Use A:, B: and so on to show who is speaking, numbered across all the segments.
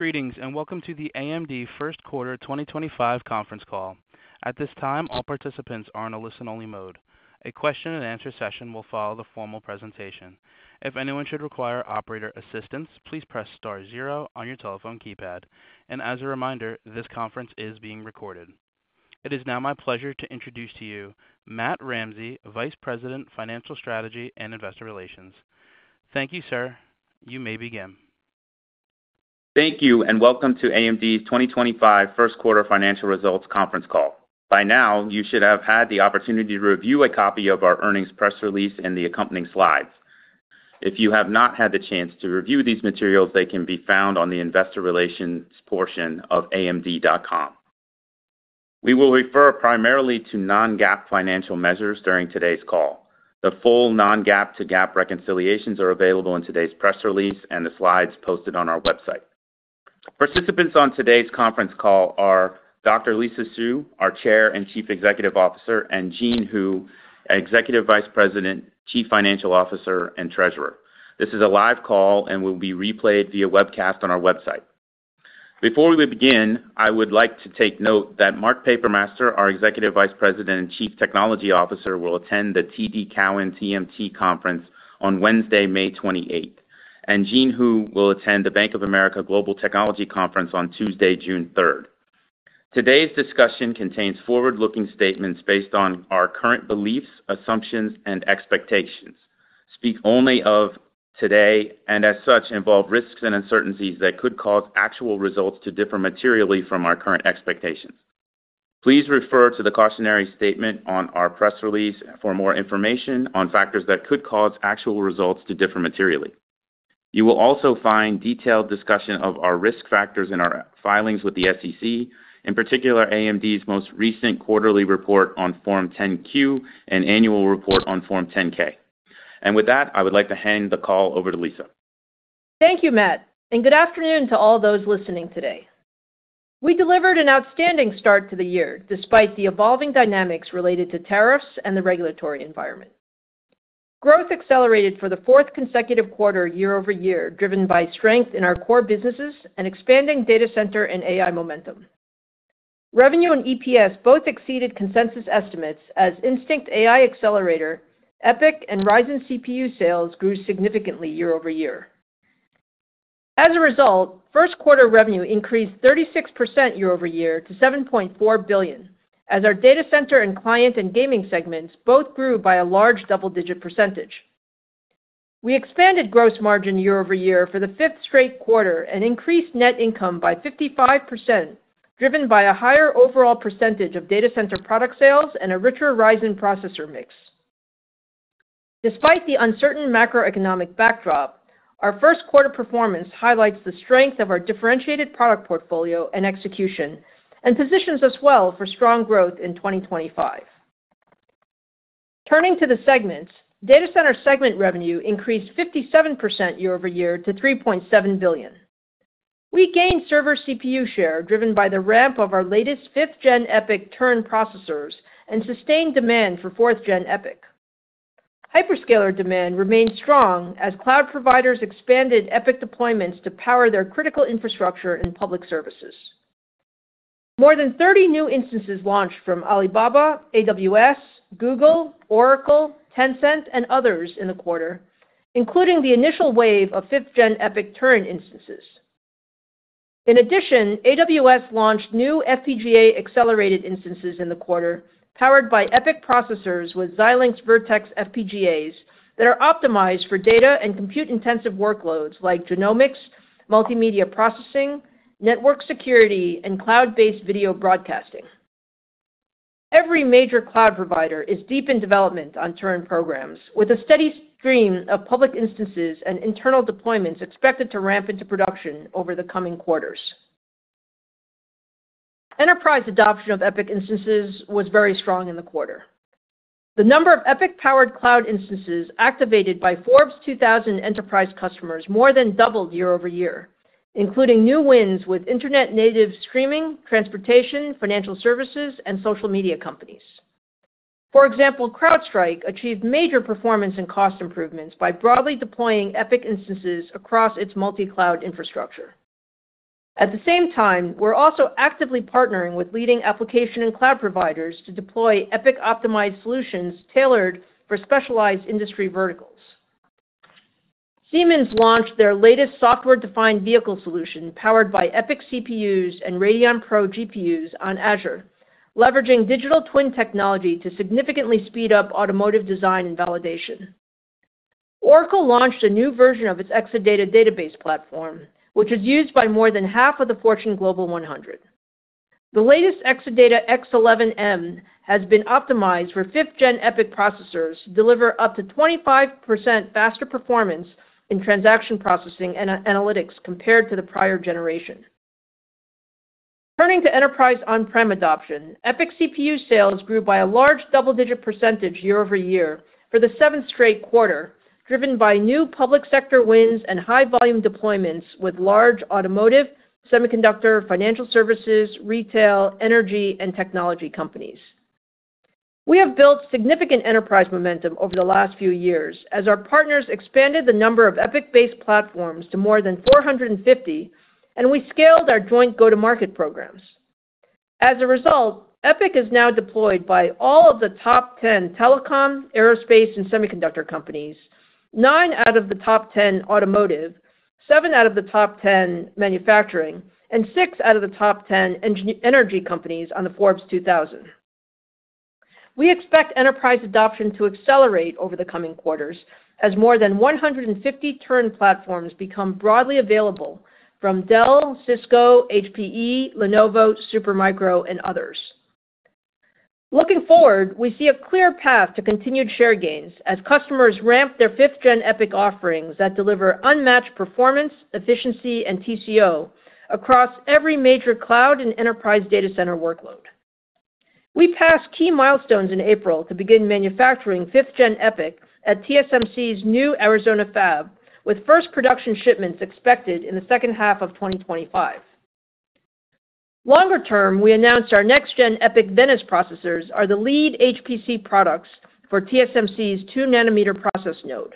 A: Greetings and welcome to the AMD First Quarter 2025 Conference Call. At this time, all participants are in a listen-only mode. A question-and-answer session will follow the formal presentation. If anyone should require operator assistance, please press star zero on your telephone keypad. As a reminder, this conference is being recorded. It is now my pleasure to introduce to you Matt Ramsay, Vice President, Financial Strategy and Investor Relations. Thank you, sir. You may begin.
B: Thank you and welcome to AMD's 2025 First Quarter Financial Results Conference Call. By now, you should have had the opportunity to review a copy of our Earnings Press Release and the accompanying slides. If you have not had the chance to review these materials, they can be found on the investor relations portion of amd.com. We will refer primarily to non-GAAP financial measures during today's call. The full non-GAAP to GAAP reconciliations are available in today's press release and the slides posted on our website. Participants on today's conference call are Dr. Lisa Su, our Chair and Chief Executive Officer, and Jean Hu, Executive Vice President, Chief Financial Officer, and Treasurer. This is a live call and will be replayed via webcast on our website. Before we begin, I would like to take note that Mark Papermaster, our Executive Vice President and Chief Technology Officer, will attend the TD Cowen TMT Conference on Wednesday, May 28, and Jean Hu will attend the Bank of America Global Technology Conference on Tuesday, June 3rd. Today's discussion contains forward-looking statements based on our current beliefs, assumptions, and expectations. Speak only of today and, as such, involve risks and uncertainties that could cause actual results to differ materially from our current expectations. Please refer to the cautionary statement on our press release for more information on factors that could cause actual results to differ materially. You will also find detailed discussion of our risk factors in our filings with the SEC, in particular AMD's most recent quarterly report on Form 10-Q and annual report on Form 10-K. With that, I would like to hand the call over to Lisa.
C: Thank you, Matt, and good afternoon to all those listening today. We delivered an outstanding start to the year despite the evolving dynamics related to tariffs and the regulatory environment. Growth accelerated for the fourth consecutive quarter year-over-year, driven by strength in our core businesses and expanding data center and AI momentum. Revenue and EPS both exceeded consensus estimates as Instinct AI Accelerator, EPYC, and Ryzen CPU sales grew significantly year-over-year. As a result, first quarter revenue increased 36% year-over-year to $7.4 billion, as our data center and client and gaming segments both grew by a large double-digit percentage. We expanded gross margin year-over-year for the fifth straight quarter and increased net income by 55%, driven by a higher overall percentage of data center product sales and a richer Ryzen processor mix. Despite the uncertain macroeconomic backdrop, our first quarter performance highlights the strength of our differentiated product portfolio and execution and positions us well for strong growth in 2025. Turning to the segments, Data Center segment revenue increased 57% year-over-year to $3.7 billion. We gained server CPU share driven by the ramp of our latest 5th-gen EPYC Turin processors and sustained demand for 4th-gen EPYC. Hyperscaler demand remained strong as cloud providers expanded EPYC deployments to power their critical infrastructure and public services. More than 30 new instances launched from Alibaba, AWS, Google, Oracle, Tencent, and others in the quarter, including the initial wave of 5th-gen EPYC Turin instances. In addition, AWS launched new FPGA accelerated instances in the quarter powered by EPYC processors with Xilinx Versal FPGAs that are optimized for data and compute-intensive workloads like genomics, multimedia processing, network security, and cloud-based video broadcasting. Every major cloud provider is deep in development on Turin programs, with a steady stream of public instances and internal deployments expected to ramp into production over the coming quarters. Enterprise adoption of EPYC instances was very strong in the quarter. The number of EPYC-powered cloud instances activated by Forbes 2000 enterprise customers more than doubled year-over-year, including new wins with internet-native streaming, transportation, financial services, and social media companies. For example, CrowdStrike achieved major performance and cost improvements by broadly deploying EPYC instances across its multi-cloud infrastructure. At the same time, we're also actively partnering with leading application and cloud providers to deploy EPYC-optimized solutions tailored for specialized industry verticals. Siemens launched their latest software-defined vehicle solution powered by EPYC CPUs and Radeon Pro GPUs on Azure, leveraging digital twin technology to significantly speed up automotive design and validation. Oracle launched a new version of its Exadata database platform, which is used by more than half of the Fortune Global 100. The latest Exadata X11M has been optimized for fifth-gen EPYC processors to deliver up to 25% faster performance in transaction processing and analytics compared to the prior generation. Turning to enterprise on-prem adoption, EPYC CPU sales grew by a large double-digit percentage year-over-year for the seventh straight quarter, driven by new public sector wins and high-volume deployments with large automotive, semiconductor, financial services, retail, energy, and technology companies. We have built significant enterprise momentum over the last few years as our partners expanded the number of EPYC-based platforms to more than 450, and we scaled our joint go-to-market programs. As a result, EPYC is now deployed by all of the top 10 telecom, aerospace, and semiconductor companies, 9 out of the top 10 automotive, 7 out of the top 10 manufacturing, and 6 out of the top 10 energy companies on the Forbes 2000. We expect enterprise adoption to accelerate over the coming quarters as more than 150 Turin platforms become broadly available from Dell, Cisco, HPE, Lenovo, Supermicro, and others. Looking forward, we see a clear path to continued share gains as customers ramp their 5th-gen EPYC offerings that deliver unmatched performance, efficiency, and TCO across every major cloud and enterprise data center workload. We passed key milestones in April to begin manufacturing 5th-gen EPYC at TSMC's new Arizona fab, with first production shipments expected in the second half of 2025. Longer term, we announced our next-gen EPYC Venice processors are the lead HPC products for TSMC's two-nanometer process node.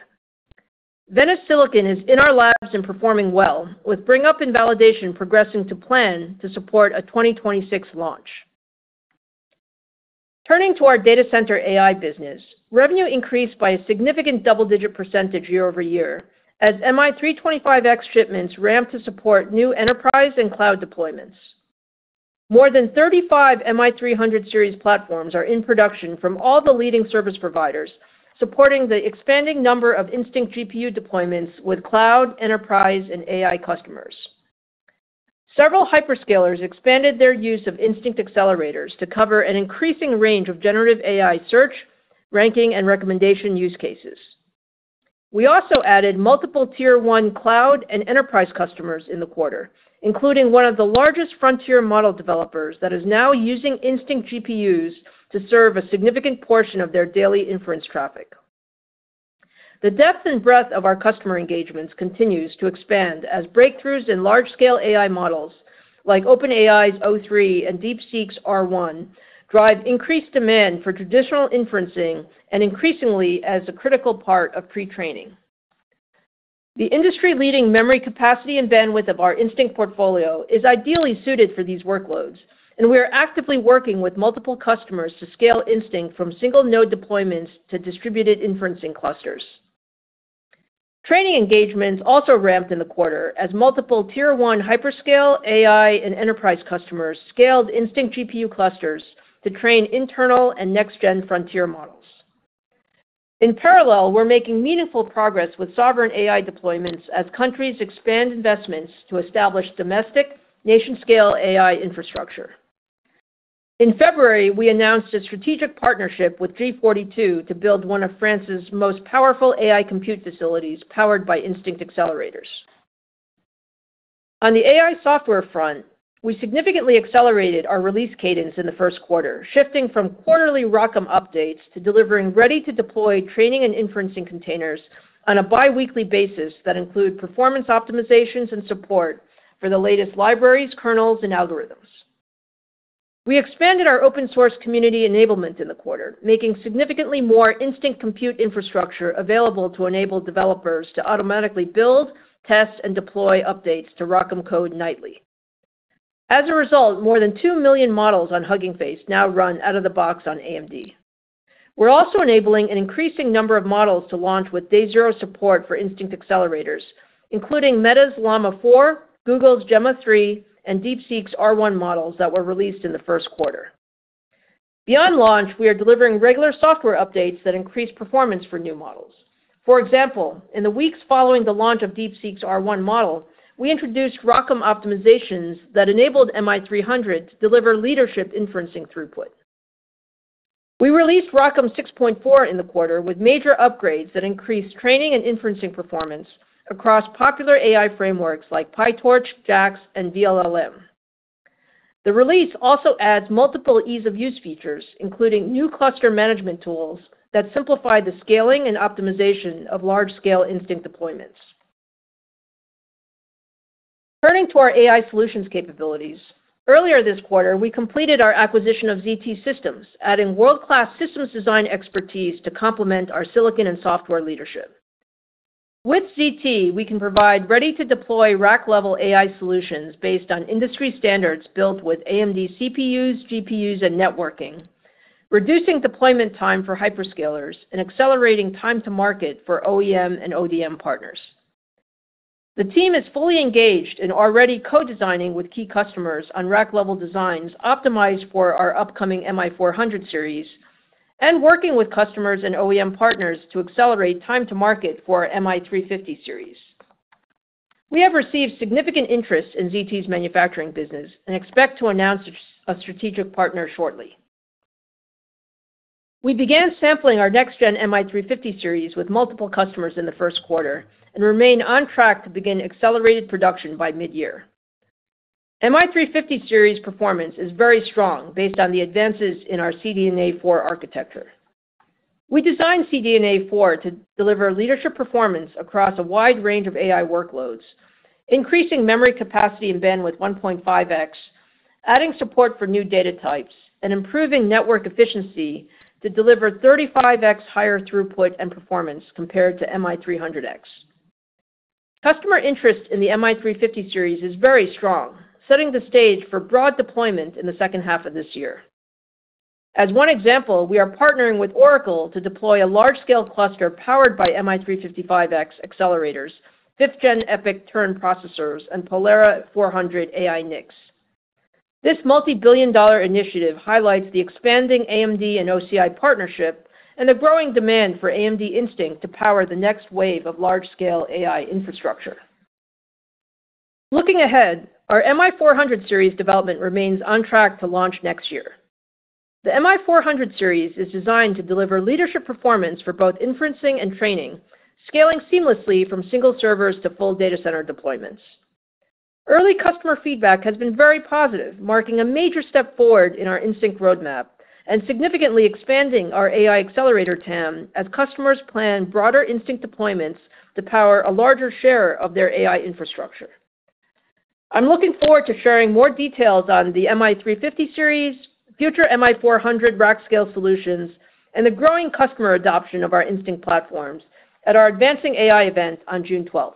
C: Venice silicon is in our labs and performing well, with bring-up and validation progressing to plan to support a 2026 launch. Turning to our data center AI business, revenue increased by a significant double-digit percentage year-over-year as MI325X shipments ramped to support new enterprise and cloud deployments. More than 35 MI300 series platforms are in production from all the leading service providers, supporting the expanding number of Instinct GPU deployments with cloud, enterprise, and AI customers. Several hyperscalers expanded their use of Instinct Accelerators to cover an increasing range of generative AI search, ranking, and recommendation use cases. We also added multiple tier one cloud and enterprise customers in the quarter, including one of the largest frontier model developers that is now using Instinct GPUs to serve a significant portion of their daily inference traffic. The depth and breadth of our customer engagements continues to expand as breakthroughs in large-scale AI models like OpenAI's O3 and DeepSeek's R1 drive increased demand for traditional inferencing and increasingly as a critical part of pre-training. The industry-leading memory capacity and bandwidth of our Instinct portfolio is ideally suited for these workloads, and we are actively working with multiple customers to scale Instinct from single-node deployments to distributed inferencing clusters. Training engagements also ramped in the quarter as multiple tier one hyperscale AI and enterprise customers scaled Instinct GPU clusters to train internal and next-gen frontier models. In parallel, we're making meaningful progress with sovereign AI deployments as countries expand investments to establish domestic, nation-scale AI infrastructure. In February, we announced a strategic partnership with G42 to build one of France's most powerful AI compute facilities powered by Instinct Accelerators. On the AI software front, we significantly accelerated our release cadence in the first quarter, shifting from quarterly ROCm updates to delivering ready-to-deploy training and inferencing containers on a biweekly basis that include performance optimizations and support for the latest libraries, kernels, and algorithms. We expanded our open-source community enablement in the quarter, making significantly more Instinct compute infrastructure available to enable developers to automatically build, test, and deploy updates to ROCm code nightly. As a result, more than 2 million models on Hugging Face now run out of the box on AMD. We're also enabling an increasing number of models to launch with day zero support for Instinct Accelerators, including Meta's Llama 4, Google's Gemma 3, and DeepSeek's R1 models that were released in the first quarter. Beyond launch, we are delivering regular software updates that increase performance for new models. For example, in the weeks following the launch of DeepSeek's R1 model, we introduced ROCm optimizations that enabled MI300 to deliver leadership inferencing throughput. We released ROCm 6.4 in the quarter with major upgrades that increased training and inferencing performance across popular AI frameworks like PyTorch, JAX, and VLLM. The release also adds multiple ease-of-use features, including new cluster management tools that simplify the scaling and optimization of large-scale Instinct deployments. Turning to our AI solutions capabilities, earlier this quarter, we completed our acquisition of ZT Systems, adding world-class systems design expertise to complement our silicon and software leadership. With ZT, we can provide ready-to-deploy rack-level AI solutions based on industry standards built with AMD CPUs, GPUs, and networking, reducing deployment time for hyperscalers and accelerating time to market for OEM and ODM partners. The team is fully engaged in already co-designing with key customers on rack-level designs optimized for our upcoming MI400 series and working with customers and OEM partners to accelerate time to market for our MI350 series. We have received significant interest in ZT's manufacturing business and expect to announce a strategic partner shortly. We began sampling our next-gen MI350 series with multiple customers in the first quarter and remain on track to begin accelerated production by mid-year. MI350 series performance is very strong based on the advances in our CDNA 4 architecture. We designed CDNA 4 to deliver leadership performance across a wide range of AI workloads, increasing memory capacity and bandwidth 1.5x, adding support for new data types, and improving network efficiency to deliver 35x higher throughput and performance compared to MI300X. Customer interest in the MI350 series is very strong, setting the stage for broad deployment in the second half of this year. As one example, we are partnering with Oracle to deploy a large-scale cluster powered by MI355X accelerators, 5th-gen EPYC Turin processors, and Pollara 400 AI NICs. This multi-billion-dollar initiative highlights the expanding AMD and OCI partnership and the growing demand for AMD Instinct to power the next wave of large-scale AI infrastructure. Looking ahead, our MI400 series development remains on track to launch next year. The MI400 series is designed to deliver leadership performance for both inferencing and training, scaling seamlessly from single servers to full data center deployments. Early customer feedback has been very positive, marking a major step forward in our Instinct roadmap and significantly expanding our AI accelerator TAM as customers plan broader Instinct deployments to power a larger share of their AI infrastructure. I'm looking forward to sharing more details on the MI350 series, future MI400 rack-scale solutions, and the growing customer adoption of our Instinct platforms at our Advancing AI event on June 12th.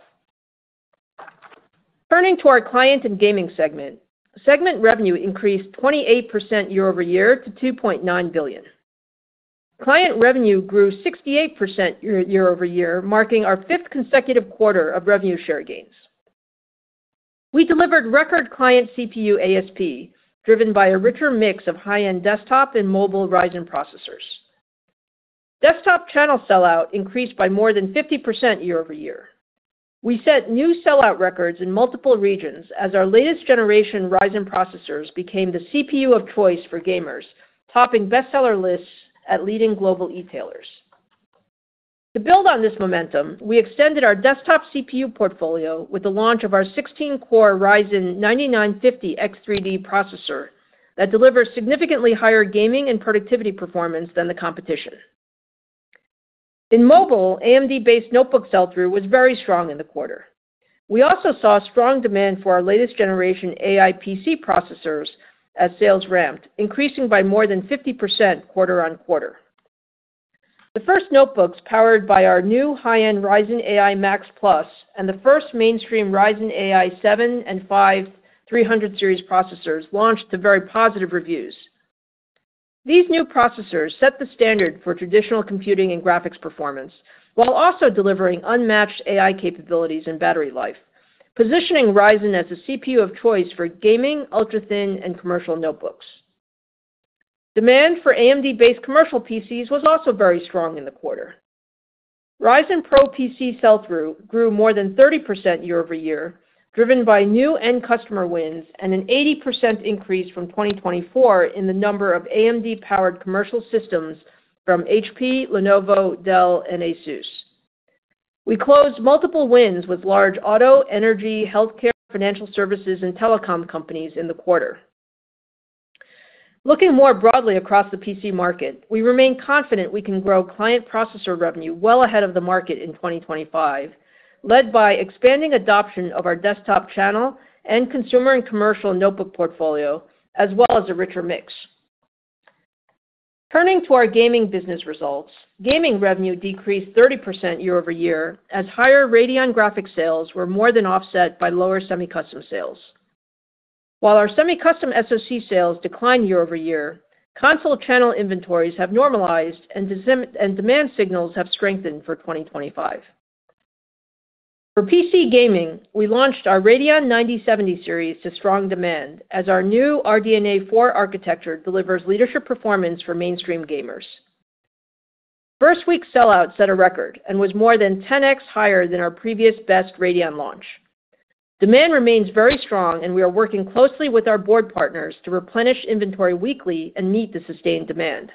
C: Turning to our client and gaming segment, segment revenue increased 28% year-over-year to $2.9 billion. Client revenue grew 68% year-over-year, marking our fifth consecutive quarter of revenue share gains. We delivered record client CPU ASP, driven by a richer mix of high-end desktop and mobile Ryzen processors. Desktop channel sellout increased by more than 50% year-over-year. We set new sellout records in multiple regions as our latest generation Ryzen processors became the CPU of choice for gamers, topping bestseller lists at leading global e-tailers. To build on this momentum, we extended our desktop CPU portfolio with the launch of our 16-core Ryzen 9950X3D processor that delivers significantly higher gaming and productivity performance than the competition. In mobile, AMD-based notebook sell-through was very strong in the quarter. We also saw strong demand for our latest generation AI PC processors as sales ramped, increasing by more than 50% quarter-on-quarter. The first notebooks powered by our new high-end Ryzen AI Max Plus and the first mainstream Ryzen AI 7 and 5 300 series processors launched to very positive reviews. These new processors set the standard for traditional computing and graphics performance while also delivering unmatched AI capabilities and battery life, positioning Ryzen as a CPU of choice for gaming, ultra-thin, and commercial notebooks. Demand for AMD-based commercial PCs was also very strong in the quarter. Ryzen Pro PC sell-through grew more than 30% year-over-year, driven by new end customer wins and an 80% increase from 2024 in the number of AMD-powered commercial systems from HP, Lenovo, Dell, and Asus. We closed multiple wins with large auto, energy, healthcare, financial services, and telecom companies in the quarter. Looking more broadly across the PC market, we remain confident we can grow client processor revenue well ahead of the market in 2025, led by expanding adoption of our desktop channel and consumer and commercial notebook portfolio, as well as a richer mix. Turning to our gaming business results, gaming revenue decreased 30% year-over-year as higher Radeon graphics sales were more than offset by lower semicustom sales. While our semicustom SoC sales declined year-over-year, console channel inventories have normalized and demand signals have strengthened for 2025. For PC gaming, we launched our Radeon 9070 series to strong demand as our new RDNA 4 architecture delivers leadership performance for mainstream gamers. First week sellout set a record and was more than 10x higher than our previous best Radeon launch. Demand remains very strong, and we are working closely with our board partners to replenish inventory weekly and meet the sustained demand.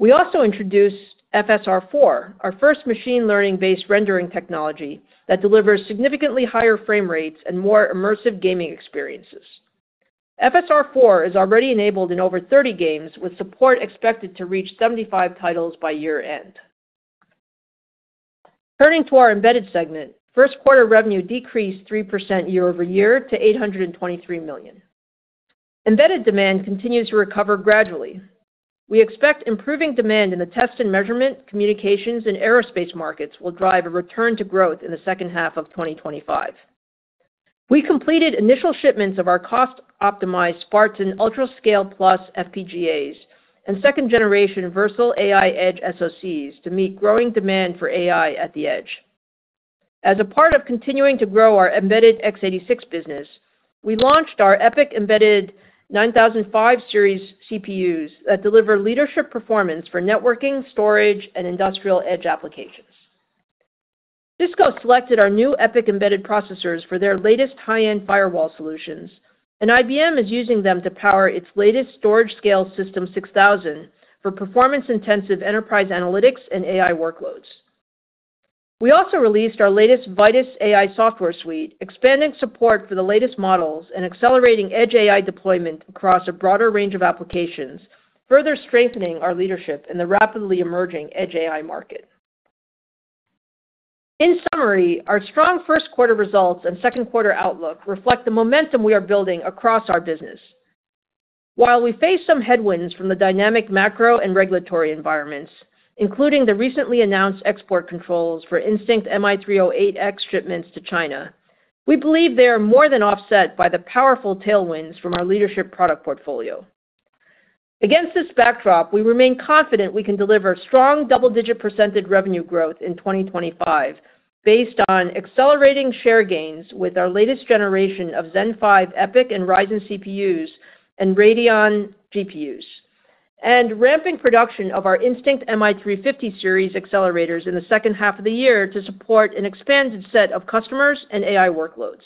C: We also introduced FSR4, our first machine learning-based rendering technology that delivers significantly higher frame rates and more immersive gaming experiences. FSR4 is already enabled in over 30 games, with support expected to reach 75 titles by year-end. Turning to our embedded segment, first quarter revenue decreased 3% year-over-year to $823 million. Embedded demand continues to recover gradually. We expect improving demand in the test and measurement, communications, and aerospace markets will drive a return to growth in the second half of 2025. We completed initial shipments of our cost-optimized Spartan UltraScale+ FPGAs and second-generation Versal AI Edge SoCs to meet growing demand for AI at the edge. As a part of continuing to grow our embedded x86 business, we launched our EPYC Embedded 9005 series CPUs that deliver leadership performance for networking, storage, and industrial edge applications. Cisco selected our new EPYC Embedded processors for their latest high-end firewall solutions, and IBM is using them to power its latest storage-scale System 6000 for performance-intensive enterprise analytics and AI workloads. We also released our latest Vitis AI software suite, expanding support for the latest models and accelerating edge AI deployment across a broader range of applications, further strengthening our leadership in the rapidly emerging edge AI market. In summary, our strong first quarter results and second quarter outlook reflect the momentum we are building across our business. While we face some headwinds from the dynamic macro and regulatory environments, including the recently announced export controls for Instinct MI308X shipments to China, we believe they are more than offset by the powerful tailwinds from our leadership product portfolio. Against this backdrop, we remain confident we can deliver strong double-digit % revenue growth in 2025 based on accelerating share gains with our latest generation of Zen 5 EPYC and Ryzen CPUs and Radeon GPUs, and ramping production of our Instinct MI350 series accelerators in the second half of the year to support an expanded set of customers and AI workloads.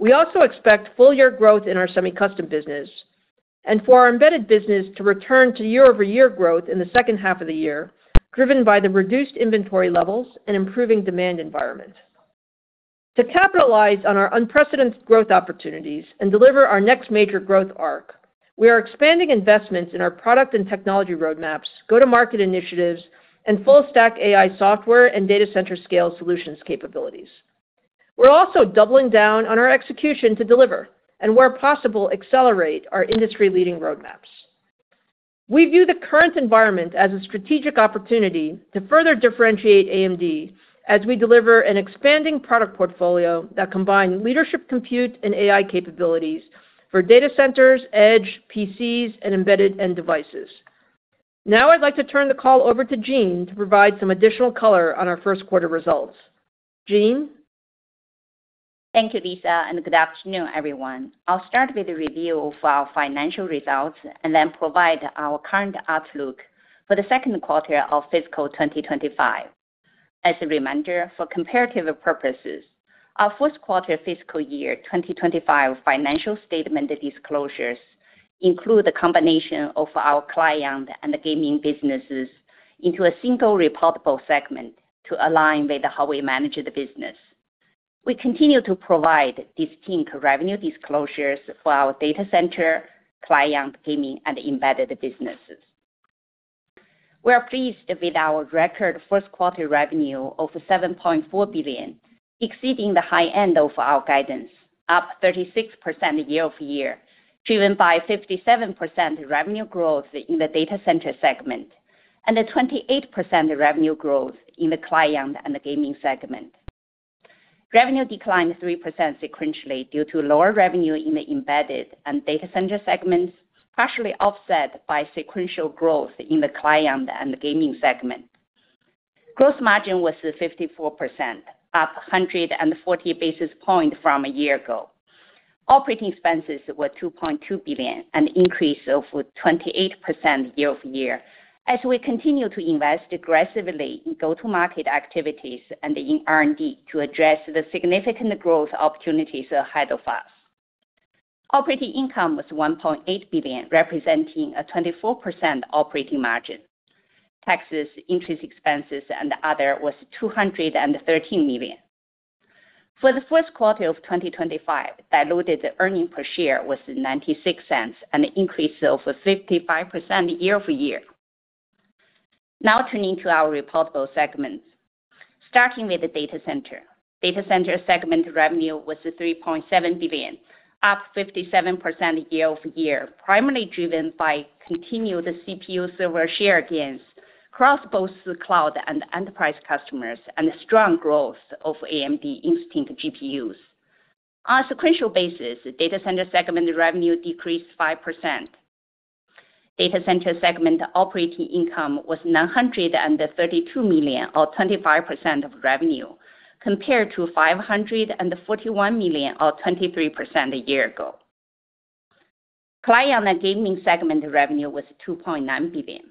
C: We also expect full-year growth in our semicustom business and for our embedded business to return to year-over-year growth in the second half of the year, driven by the reduced inventory levels and improving demand environment. To capitalize on our unprecedented growth opportunities and deliver our next major growth arc, we are expanding investments in our product and technology roadmaps, go-to-market initiatives, and full-stack AI software and data center scale solutions capabilities. We're also doubling down on our execution to deliver, and where possible, accelerate our industry-leading roadmaps. We view the current environment as a strategic opportunity to further differentiate AMD as we deliver an expanding product portfolio that combines leadership compute and AI capabilities for data centers, edge PCs, and embedded end devices. Now I'd like to turn the call over to Jean to provide some additional color on our first quarter results. Jean?
D: Thank you, Lisa, and good afternoon, everyone. I'll start with a review of our financial results and then provide our current outlook for the second quarter of fiscal 2025. As a reminder, for comparative purposes, our first quarter fiscal year 2025 financial statement disclosures include the combination of our client and gaming businesses into a single reportable segment to align with how we manage the business. We continue to provide distinct revenue disclosures for our data center, client, gaming, and embedded businesses. We are pleased with our record first quarter revenue of $7.4 billion, exceeding the high end of our guidance, up 36% year-over-year, driven by 57% revenue growth in the data center segment and a 28% revenue growth in the client and the gaming segment. Revenue declined 3% sequentially due to lower revenue in the embedded and data center segments, partially offset by sequential growth in the client and the gaming segment. Gross margin was 54%, up 140 basis points from a year ago. Operating expenses were $2.2 billion and increased 28% year-over-year as we continue to invest aggressively in go-to-market activities and in R&D to address the significant growth opportunities ahead of us. Operating income was $1.8 billion, representing a 24% operating margin. Taxes, interest expenses, and other was $213 million. For the first quarter of 2025, diluted earnings per share was $0.96 and increased 55% year-over-year. Now turning to our reportable segments, starting with the data center. Data center segment revenue was $3.7 billion, up 57% year-over-year, primarily driven by continued CPU server share gains across both the cloud and enterprise customers and the strong growth of AMD Instinct GPUs. On a sequential basis, data center segment revenue decreased 5%. Data center segment operating income was $932 million, or 25% of revenue, compared to $541 million, or 23% a year ago. Client and gaming segment revenue was $2.9 billion,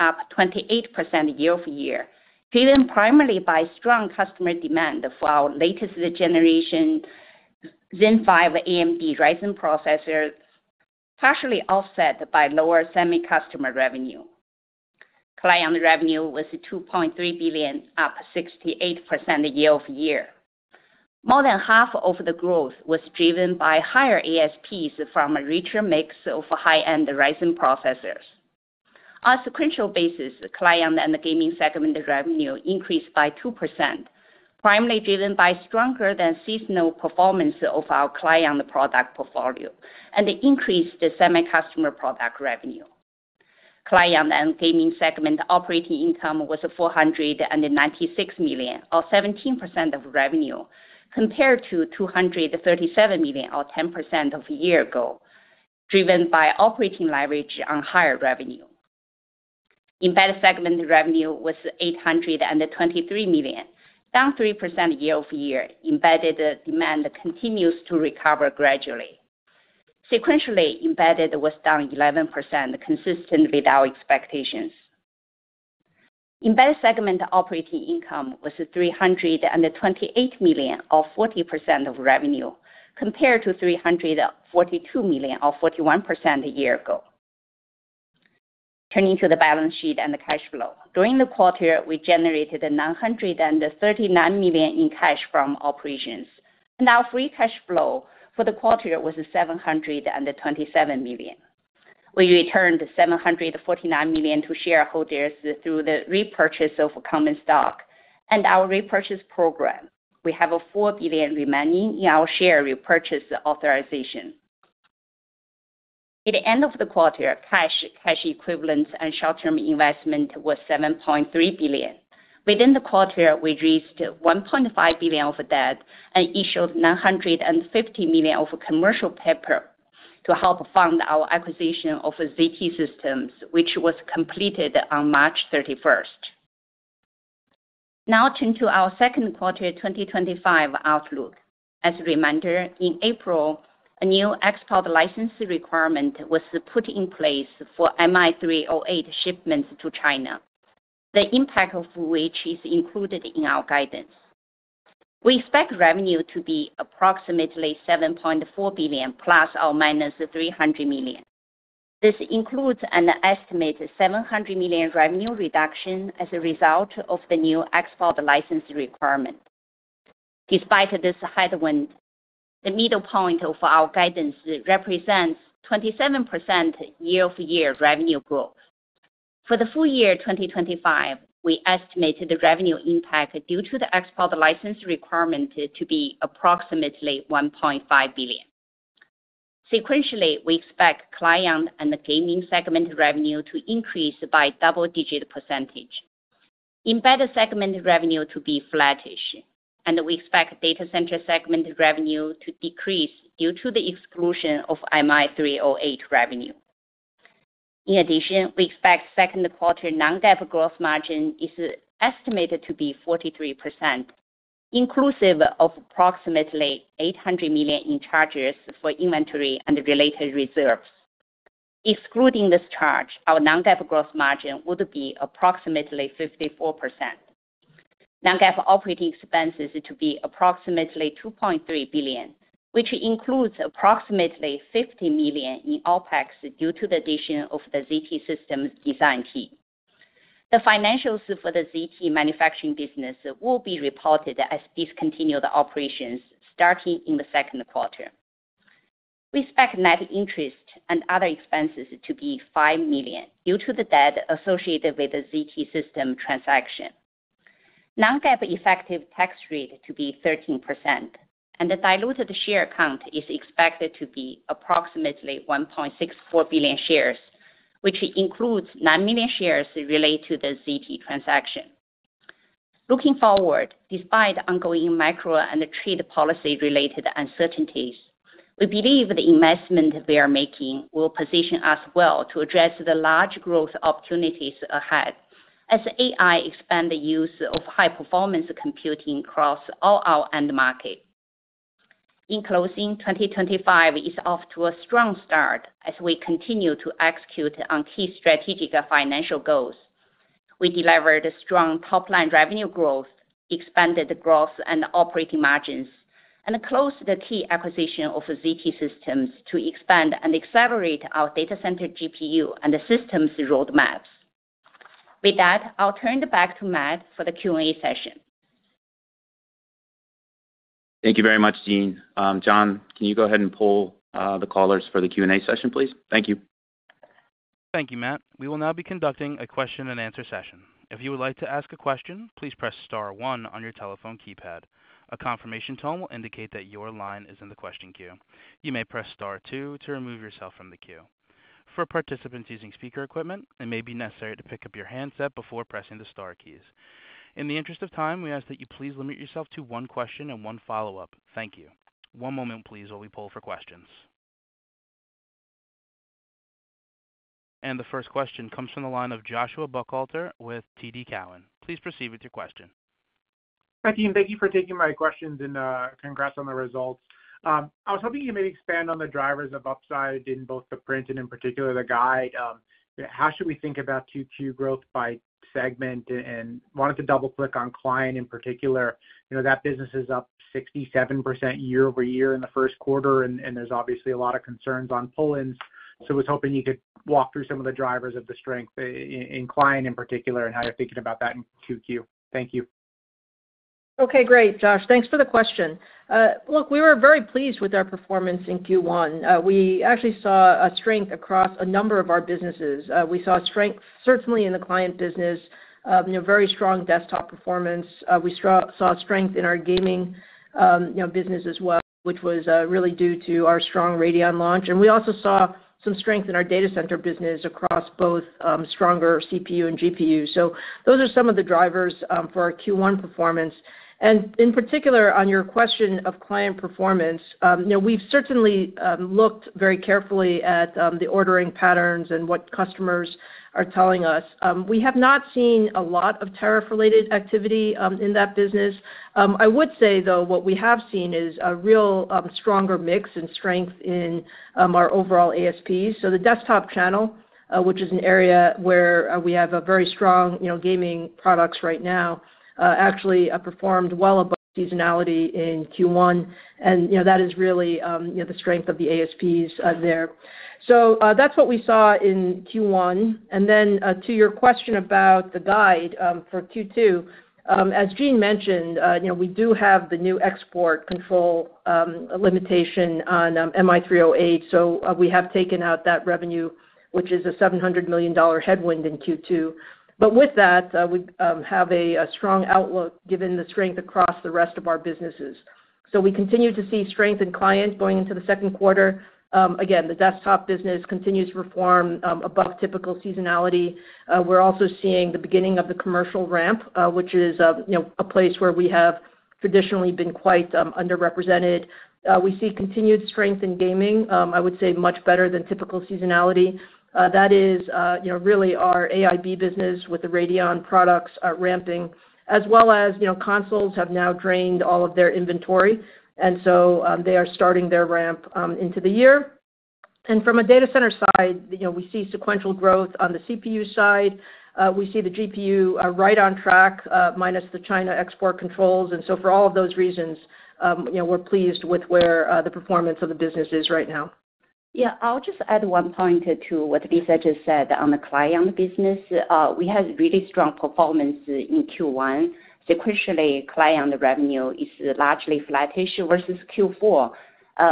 D: up 28% year-over-year, driven primarily by strong customer demand for our latest generation Zen 5 AMD Ryzen processor, partially offset by lower semicustom revenue. Client revenue was $2.3 billion, up 68% year-over-year. More than half of the growth was driven by higher ASPs from a richer mix of high-end Ryzen processors. On a sequential basis, client and gaming segment revenue increased by 2%, primarily driven by stronger than seasonal performance of our client product portfolio and increased semicustom product revenue. Client and gaming segment operating income was $496 million, or 17% of revenue, compared to $237 million, or 10% a year ago, driven by operating leverage on higher revenue. Embedded segment revenue was $823 million, down 3% year-over-year. Embedded demand continues to recover gradually. Sequentially, embedded was down 11%, consistent with our expectations. Embedded segment operating income was $328 million, or 40% of revenue, compared to $342 million, or 41% a year ago. Turning to the balance sheet and the cash flow. During the quarter, we generated $939 million in cash from operations, and our free cash flow for the quarter was $727 million. We returned $749 million to shareholders through the repurchase of common stock and our repurchase program. We have $4 billion remaining in our share repurchase authorization. At the end of the quarter, cash, cash equivalents, and short-term investment were $7.3 billion. Within the quarter, we raised $1.5 billion of debt and issued $950 million of commercial paper to help fund our acquisition of ZT Systems, which was completed on March 31st. Now turn to our second quarter 2025 outlook. As a reminder, in April, a new export license requirement was put in place for MI308 shipments to China, the impact of which is included in our guidance. We expect revenue to be approximately $7.4 billion ± $300 million. This includes an estimated $700 million revenue reduction as a result of the new export license requirement. Despite this headwind, the middle point of our guidance represents 27% year-over-year revenue growth. For the full year 2025, we estimated the revenue impact due to the export license requirement to be approximately $1.5 billion. Sequentially, we expect client and gaming segment revenue to increase by double-digit percentage. Embedded segment revenue to be flattish, and we expect data center segment revenue to decrease due to the exclusion of MI308 revenue. In addition, we expect second quarter non-GAAP gross margin is estimated to be 43%, inclusive of approximately $800 million in charges for inventory and related reserves. Excluding this charge, our non-GAAP gross margin would be approximately 54%. Non-GAAP operating expenses to be approximately $2.3 billion, which includes approximately $50 million in OpEx due to the addition of the ZT Systems design team. The financials for the ZT manufacturing business will be reported as discontinued operations starting in the second quarter. We expect net interest and other expenses to be $5 million due to the debt associated with the ZT Systems transaction. Non-debt effective tax rate to be 13%, and the diluted share count is expected to be approximately 1.64 billion shares, which includes 9 million shares related to the ZT transaction. Looking forward, despite ongoing macro and trade policy-related uncertainties, we believe the investment we are making will position us well to address the large growth opportunities ahead as AI expands the use of high-performance computing across all our end markets. In closing, 2025 is off to a strong start as we continue to execute on key strategic financial goals. We delivered strong top-line revenue growth, expanded the growth and operating margins, and closed the key acquisition of ZT Systems to expand and accelerate our data center GPU and systems roadmaps. With that, I'll turn it back to Matt for the Q&A session.
B: Thank you very much, Jean. John, can you go ahead and pull the callers for the Q&A session, please? Thank you.
A: Thank you, Matt. We will now be conducting a question-and-answer session. If you would like to ask a question, please press star one on your telephone keypad. A confirmation tone will indicate that your line is in the question queue. You may press star two to remove yourself from the queue. For participants using speaker equipment, it may be necessary to pick up your handset before pressing the star keys. In the interest of time, we ask that you please limit yourself to one question and one follow-up. Thank you. One moment, please, while we pull for questions. The first question comes from the line of Joshua Buchalter with TD Cowen. Please proceed with your question.
E: Thank you. Thank you for taking my questions and congrats on the results. I was hoping you may expand on the drivers of upside in both the print and, in particular, the guide. How should we think about QQ growth by segment? I wanted to double-click on client in particular. That business is up 67% year-over-year in the first quarter, and there are obviously a lot of concerns on pullings. I was hoping you could walk through some of the drivers of the strength in client in particular and how you're thinking about that in QQ. Thank you. Okay, great.
C: Josh, thanks for the question. Look, we were very pleased with our performance in Q1. We actually saw a strength across a number of our businesses. We saw strength certainly in the client business, very strong desktop performance. We saw strength in our gaming business as well, which was really due to our strong Radeon launch. We also saw some strength in our data center business across both stronger CPU and GPU. Those are some of the drivers for our Q1 performance. In particular, on your question of client performance, we've certainly looked very carefully at the ordering patterns and what customers are telling us. We have not seen a lot of tariff-related activity in that business. I would say, though, what we have seen is a real stronger mix and strength in our overall ASPs. The desktop channel, which is an area where we have very strong gaming products right now, actually performed well above seasonality in Q1. That is really the strength of the ASPs there. That is what we saw in Q1. To your question about the guide for Q2, as Jean mentioned, we do have the new export control limitation on MI308. We have taken out that revenue, which is a $700 million headwind in Q2. With that, we have a strong outlook given the strength across the rest of our businesses. We continue to see strength in client going into the second quarter. Again, the desktop business continues to perform above typical seasonality. We are also seeing the beginning of the commercial ramp, which is a place where we have traditionally been quite underrepresented. We see continued strength in gaming, I would say, much better than typical seasonality. That is really our AIB business with the Radeon products ramping, as well as consoles have now drained all of their inventory. They are starting their ramp into the year. From a data center side, we see sequential growth on the CPU side. We see the GPU right on track, minus the China export controls. For all of those reasons, we're pleased with where the performance of the business is right now. Y
D: eah, I'll just add one point to what Lisa just said on the client business. We had really strong performance in Q1. Sequentially, client revenue is largely flattish versus Q4.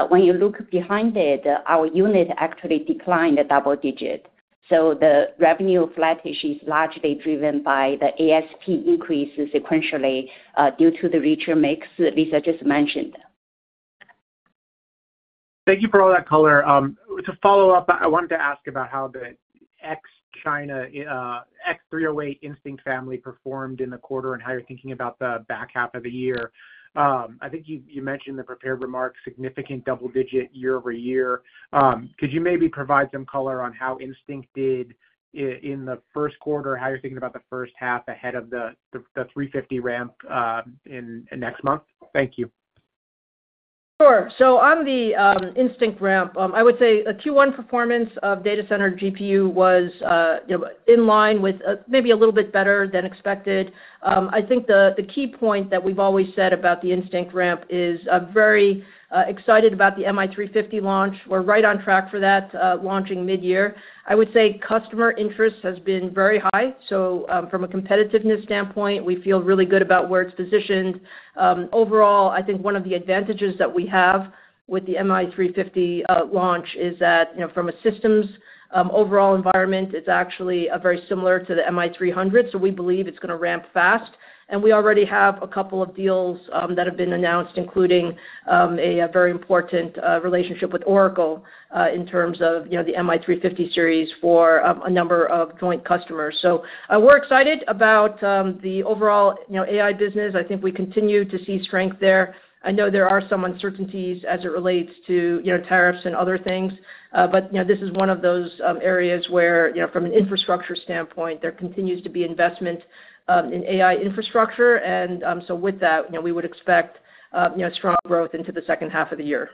D: When you look behind it, our unit actually declined a double digit. The revenue flattish is largely driven by the ASP increase sequentially due to the richer mix Lisa just mentioned.
E: Thank you for all that, Color. To follow up, I wanted to ask about how the MI308X Instinct family performed in the quarter and how you're thinking about the back half of the year. I think you mentioned in the prepared remarks, significant double-digit year-over-year. Could you maybe provide some color on how Instinct did in the first quarter, how you're thinking about the first half ahead of the MI350 ramp next month? Thank you.
C: Sure. On the Instinct ramp, I would say Q1 performance of data center GPU was in line with maybe a little bit better than expected. I think the key point that we've always said about the Instinct ramp is very excited about the MI350 launch. We're right on track for that launching mid-year. I would say customer interest has been very high. From a competitiveness standpoint, we feel really good about where it's positioned. Overall, I think one of the advantages that we have with the MI350 launch is that from a systems overall environment, it's actually very similar to the MI300. We believe it's going to ramp fast. We already have a couple of deals that have been announced, including a very important relationship with Oracle in terms of the MI350 series for a number of joint customers. We're excited about the overall AI business. I think we continue to see strength there. I know there are some uncertainties as it relates to tariffs and other things, but this is one of those areas where from an infrastructure standpoint, there continues to be investment in AI infrastructure. With that, we would expect strong growth into the second half of the year.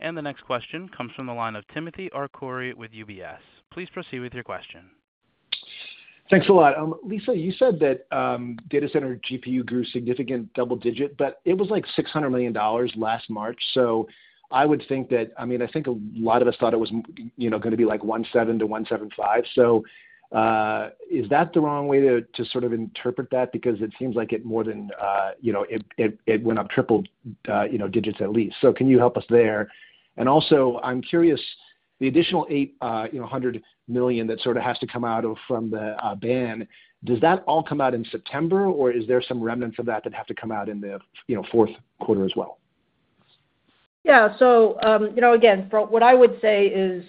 A: The next question comes from the line of Timothy Arcuri with UBS. Please proceed with your question.
F: Thanks a lot. Lisa, you said that data center GPU grew significant double digit, but it was like $600 million last March. I would think that, I mean, I think a lot of us thought it was going to be like 17 to 175. Is that the wrong way to sort of interpret that? Because it seems like it more than it went up triple digits at least. Can you help us there? I'm curious, the additional $800 million that sort of has to come out from the ban, does that all come out in September, or is there some remnants of that that have to come out in the fourth quarter as well?
C: Yeah. What I would say is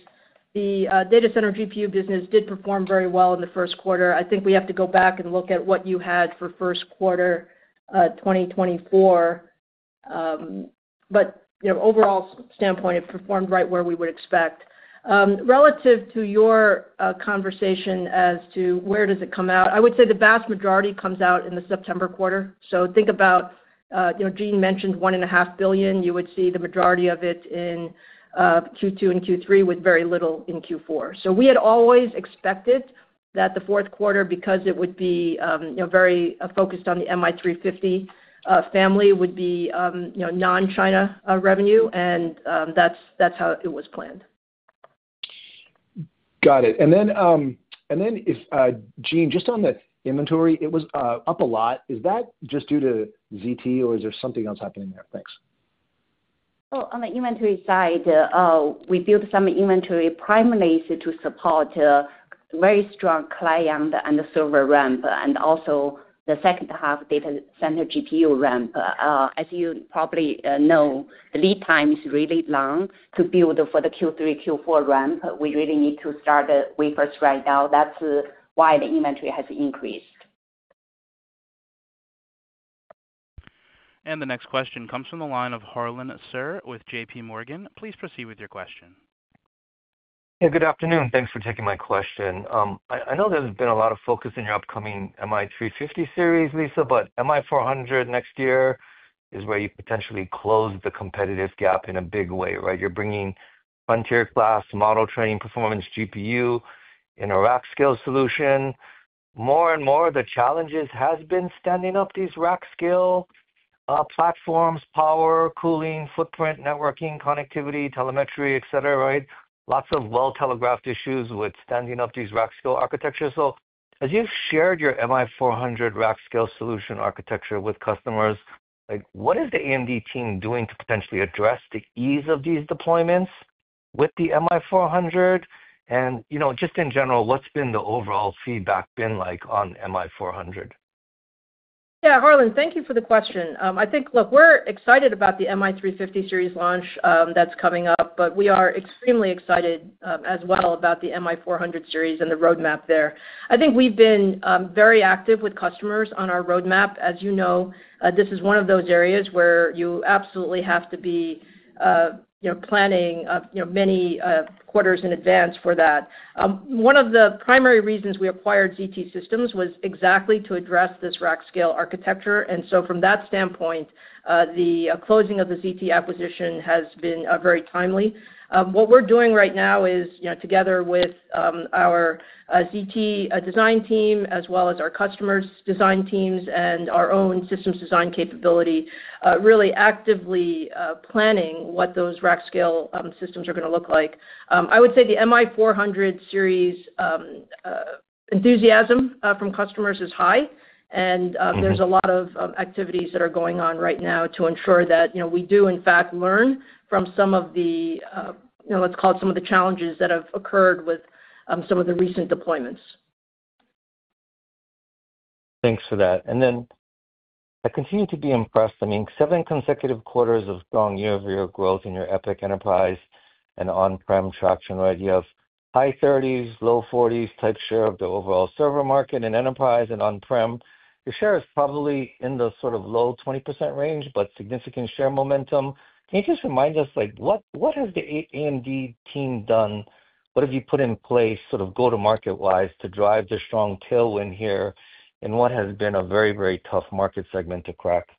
C: the data center GPU business did perform very well in the first quarter. I think we have to go back and look at what you had for first quarter 2024. From an overall standpoint, it performed right where we would expect. Relative to your conversation as to where does it come out, I would say the vast majority comes out in the September quarter. Think about Jean mentioned $1.5 billion. You would see the majority of it in Q2 and Q3 with very little in Q4. We had always expected that the fourth quarter, because it would be very focused on the MI350 family, would be non-China revenue. That is how it was planned.
F: Got it. Then, Jean, just on the inventory, it was up a lot. Is that just due to ZT, or is there something else happening there? Thanks.
D: On the inventory side, we built some inventory primarily to support very strong client and the server ramp, and also the second half data center GPU ramp. As you probably know, the lead time is really long to build for the Q3, Q4 ramp. We really need to start wafers right now. That is why the inventory has increased.
A: The next question comes from the line of Harlan Suhr with JPMorgan. Please proceed with your question. Hey, good afternoon. Thanks for taking my question.
G: I know there's been a lot of focus in your upcoming MI350 series, Lisa, but MI400 next year is where you potentially close the competitive gap in a big way, right? You're bringing frontier-class model training performance GPU in a rack scale solution. More and more, the challenges have been standing up these rack scale platforms, power, cooling, footprint, networking, connectivity, telemetry, etc., right? Lots of well-telegraphed issues with standing up these rack scale architectures. As you've shared your MI400 rack scale solution architecture with customers, what is the AMD team doing to potentially address the ease of these deployments with the MI400? In general, what's been the overall feedback been like on MI400?
C: Yeah, Harlan, thank you for the question. I think, look, we're excited about the MI350 series launch that's coming up, but we are extremely excited as well about the MI400 series and the roadmap there. I think we've been very active with customers on our roadmap. As you know, this is one of those areas where you absolutely have to be planning many quarters in advance for that. One of the primary reasons we acquired ZT Systems was exactly to address this rack scale architecture. From that standpoint, the closing of the ZT acquisition has been very timely. What we're doing right now is, together with our ZT design team, as well as our customers' design teams and our own systems design capability, really actively planning what those rack scale systems are going to look like. I would say the MI400 series enthusiasm from customers is high. There is a lot of activities that are going on right now to ensure that we do, in fact, learn from some of the, let's call it, some of the challenges that have occurred with some of the recent deployments.
G: Thanks for that. I continue to be impressed. I mean, seven consecutive quarters of year-over-year growth in your EPYC Enterprise and on-prem traction, right? You have high 30s, low 40s type share of the overall server market in enterprise and on-prem. Your share is probably in the sort of low 20% range, but significant share momentum. Can you just remind us, what has the AMD team done? What have you put in place, sort of go-to-market-wise, to drive the strong tailwind here? What has been a very, very tough market segment to crack?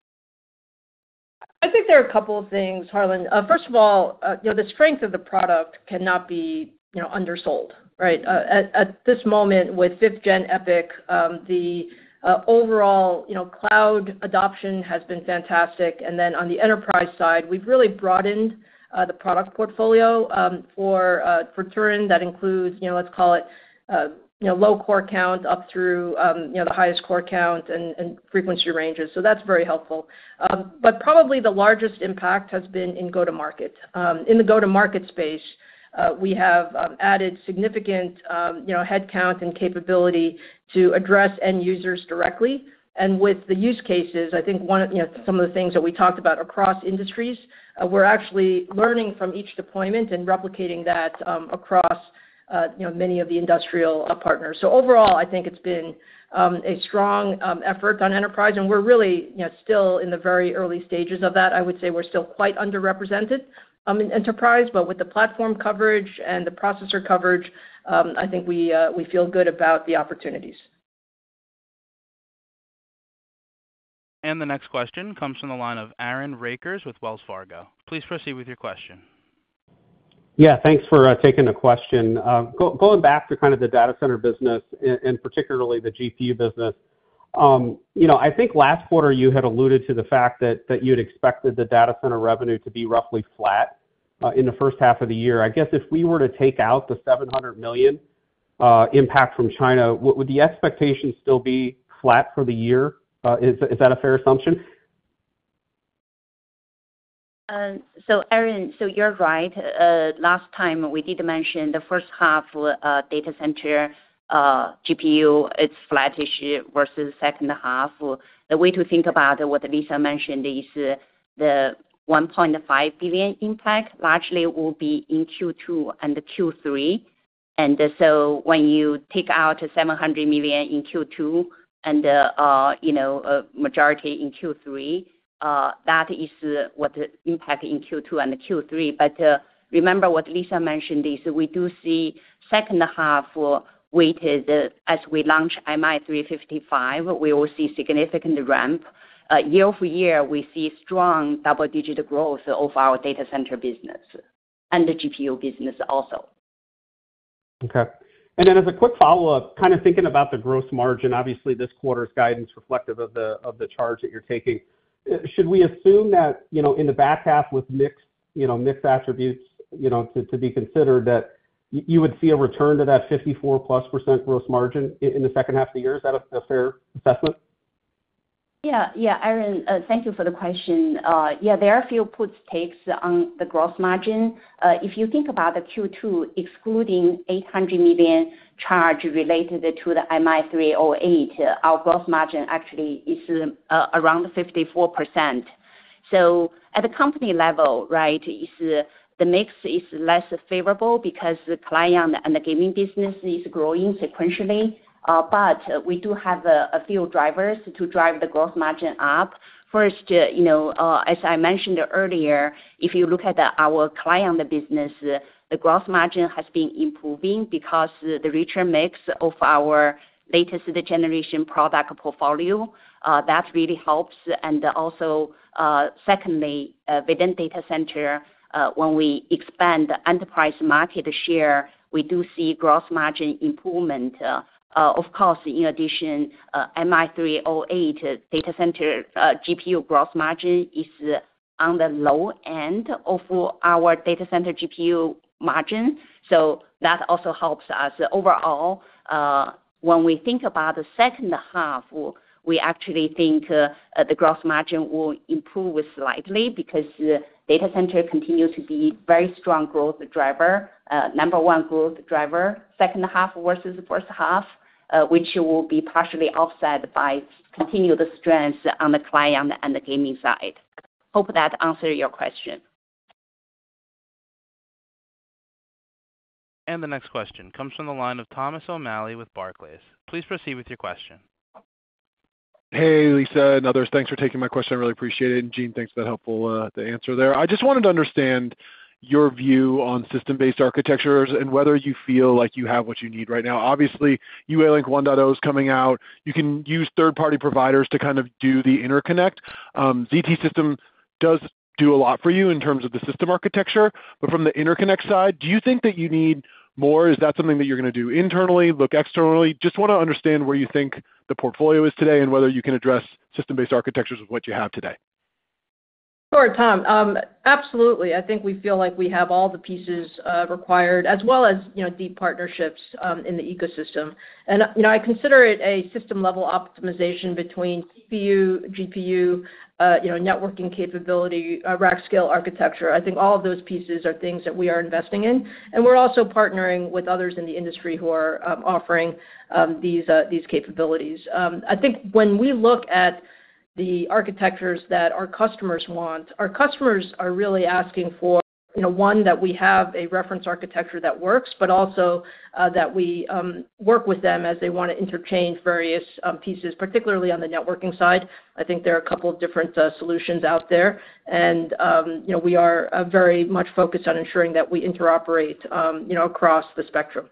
C: I think there are a couple of things, Harlan. First of all, the strength of the product cannot be undersold, right? At this moment with 5th-gen EPYC, the overall cloud adoption has been fantastic. On the enterprise side, we've really broadened the product portfolio for Turin. That includes, let's call it, low core count up through the highest core count and frequency ranges. That is very helpful. Probably the largest impact has been in go-to-market. In the go-to-market space, we have added significant headcount and capability to address end users directly. With the use cases, I think some of the things that we talked about across industries, we're actually learning from each deployment and replicating that across many of the industrial partners. Overall, I think it's been a strong effort on enterprise. We're really still in the very early stages of that. I would say we're still quite underrepresented in enterprise. With the platform coverage and the processor coverage, I think we feel good about the opportunities.
A: The next question comes from the line of Aaron Rakers with Wells Fargo. Please proceed with your question.
H: Yeah, thanks for taking the question. Going back to kind of the data center business, and particularly the GPU business, I think last quarter you had alluded to the fact that you had expected the data center revenue to be roughly flat in the first half of the year. I guess if we were to take out the $700 million impact from China, would the expectation still be flat for the year? Is that a fair assumption?
D: Aaron, you're right. Last time we did mention the first half data center GPU, it's flattish versus second half. The way to think about it, what Lisa mentioned, is the $1.5 billion impact largely will be in Q2 and Q3. When you take out $700 million in Q2 and a majority in Q3, that is what the impact in Q2 and Q3. Remember what Lisa mentioned is we do see second half weighted as we launch MI355, we will see significant ramp. year-over-year, we see strong double-digit growth of our data center business and the GPU business also.
H: Okay. As a quick follow-up, kind of thinking about the gross margin, obviously this quarter's guidance reflective of the charge that you're taking, should we assume that in the back half with mixed attributes to be considered, that you would see a return to that 54%+ gross margin in the second half of the year? Is that a fair assessment? Yeah.
D: Yeah, Aaron, thank you for the question. Yeah, there are a few puts takes on the gross margin. If you think about the Q2, excluding the $800 million charge related to the MI308, our gross margin actually is around 54%. At the company level, right, the mix is less favorable because the client and the gaming business is growing sequentially. We do have a few drivers to drive the gross margin up. First, as I mentioned earlier, if you look at our client business, the gross margin has been improving because the richer mix of our latest generation product portfolio, that really helps. Also, secondly, within data center, when we expand the enterprise market share, we do see gross margin improvement. Of course, in addition, MI308 data center GPU gross margin is on the low end of our data center GPU margin. That also helps us overall. When we think about the second half, we actually think the gross margin will improve slightly because data center continues to be a very strong growth driver, number one growth driver, second half versus first half, which will be partially offset by continued strength on the client and the gaming side. Hope that answered your question.
A: The next question comes from the line of Thomas O'Malley with Barclays. Please proceed with your question.
I: Hey, Lisa, and others, thanks for taking my question. I really appreciate it. And Jean, thanks for that helpful answer there. I just wanted to understand your view on system-based architectures and whether you feel like you have what you need right now. Obviously, UALink 1.0 is coming out. You can use third-party providers to kind of do the interconnect. ZT Systems does do a lot for you in terms of the system architecture. From the interconnect side, do you think that you need more? Is that something that you're going to do internally, look externally? Just want to understand where you think the portfolio is today and whether you can address system-based architectures with what you have today.
C: Sure, Tom. Absolutely. I think we feel like we have all the pieces required, as well as deep partnerships in the ecosystem. I consider it a system-level optimization between CPU, GPU, networking capability, rack scale architecture. I think all of those pieces are things that we are investing in. We're also partnering with others in the industry who are offering these capabilities. I think when we look at the architectures that our customers want, our customers are really asking for, one, that we have a reference architecture that works, but also that we work with them as they want to interchange various pieces, particularly on the networking side. I think there are a couple of different solutions out there. We are very much focused on ensuring that we interoperate across the spectrum.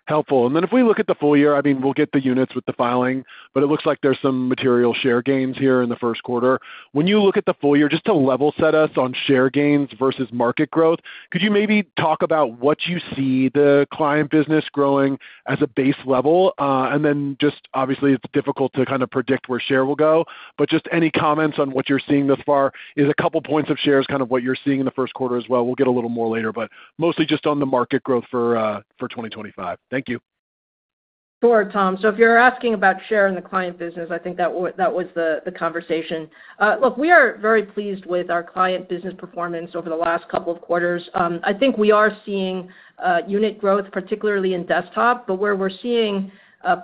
I: Got it. Helpful. If we look at the full year, I mean, we'll get the units with the filing, but it looks like there's some material share gains here in the first quarter. When you look at the full year, just to level set us on share gains versus market growth, could you maybe talk about what you see the client business growing as a base level? Obviously, it's difficult to kind of predict where share will go. Just any comments on what you're seeing thus far is a couple of points of share is kind of what you're seeing in the first quarter as well. We'll get a little more later, but mostly just on the market growth for 2025. Thank you.
C: Sure, Tom. If you're asking about share in the client business, I think that was the conversation. Look, we are very pleased with our client business performance over the last couple of quarters. I think we are seeing unit growth, particularly in desktop. Where we're seeing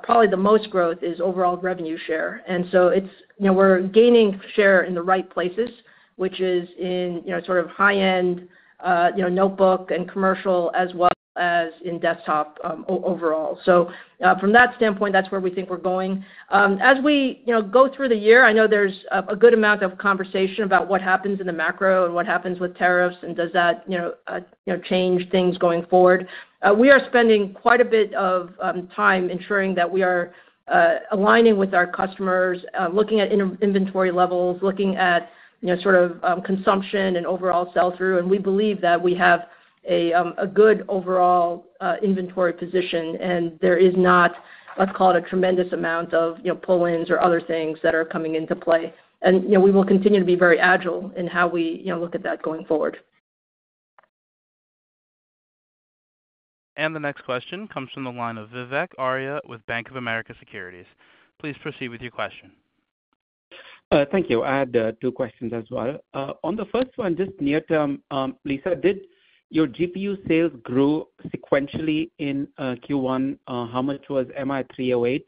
C: probably the most growth is overall revenue share. We are gaining share in the right places, which is in sort of high-end notebook and commercial as well as in desktop overall. From that standpoint, that's where we think we're going. As we go through the year, I know there's a good amount of conversation about what happens in the macro and what happens with tariffs and does that change things going forward. We are spending quite a bit of time ensuring that we are aligning with our customers, looking at inventory levels, looking at sort of consumption and overall sell-through. We believe that we have a good overall inventory position. There is not, let's call it, a tremendous amount of pull-ins or other things that are coming into play. We will continue to be very agile in how we look at that going forward.
A: The next question comes from the line of Vivek Arya with Bank of America Securities. Please proceed with your question. Thank you. I had two questions as well.
J: On the first one, just near-term, Lisa, did your GPU sales grow sequentially in Q1? How much was MI308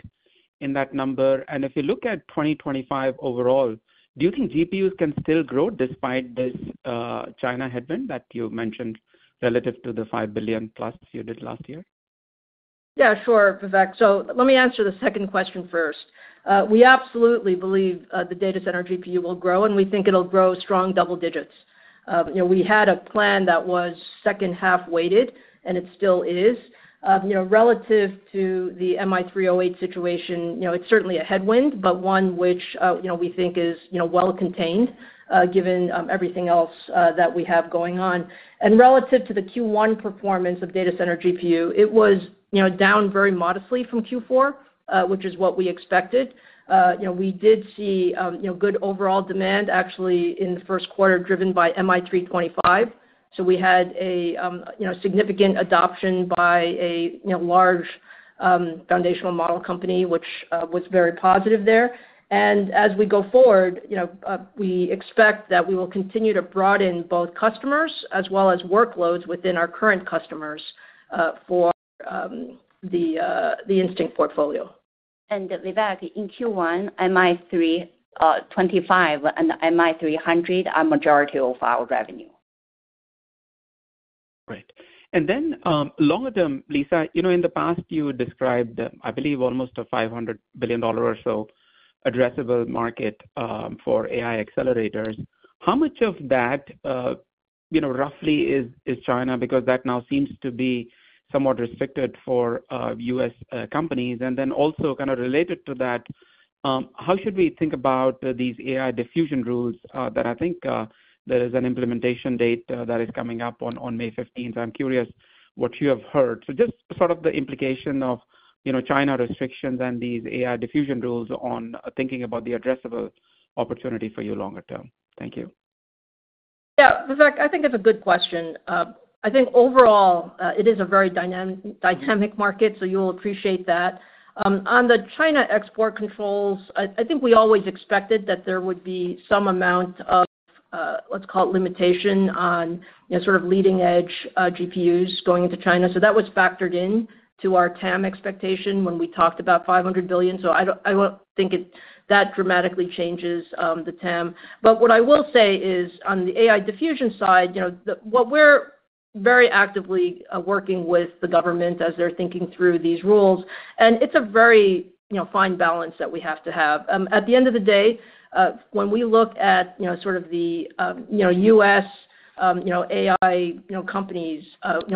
J: in that number? If you look at 2025 overall, do you think GPUs can still grow despite this China headwind that you mentioned relative to the $5 billion plus you did last year?
C: Yeah, sure, Vivek. Let me answer the second question first. We absolutely believe the data center GPU will grow, and we think it'll grow strong double digits. We had a plan that was second half weighted, and it still is. Relative to the MI308 situation, it's certainly a headwind, but one which we think is well-contained given everything else that we have going on. Relative to the Q1 performance of data center GPU, it was down very modestly from Q4, which is what we expected. We did see good overall demand, actually, in the first quarter driven by MI325. We had a significant adoption by a large foundational model company, which was very positive there. As we go forward, we expect that we will continue to broaden both customers as well as workloads within our current customers for the Instinct portfolio.
D: Vivek, in Q1, MI325 and MI300 are majority of our revenue.
J: Great. Longer-term, Lisa, in the past, you described, I believe, almost a $500 billion or so addressable market for AI accelerators. How much of that roughly is China? Because that now seems to be somewhat restricted for U.S. companies. Also, kind of related to that, how should we think about these AI Diffusion Rules? I think there is an implementation date that is coming up on May 15th. I'm curious what you have heard. Just sort of the implication of China restrictions and these AI Diffusion Rules on thinking about the addressable opportunity for you longer-term. Thank you.
C: Yeah, Vivek, I think that's a good question. I think overall, it is a very dynamic market, so you'll appreciate that. On the China export controls, I think we always expected that there would be some amount of, let's call it, limitation on sort of leading-edge GPUs going into China. That was factored into our TAM expectation when we talked about $500 billion. I don't think that dramatically changes the TAM. What I will say is on the AI diffusion side, we're very actively working with the government as they're thinking through these rules. It's a very fine balance that we have to have. At the end of the day, when we look at sort of the U.S. AI companies,